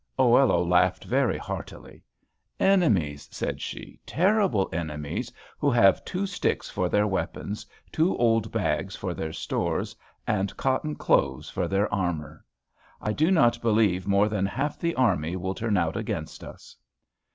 Oello laughed very heartily. "Enemies," said she, "terrible enemies, who have two sticks for their weapons, two old bags for their stores, and cotton clothes for their armor. I do not believe more than half the army will turn out against us."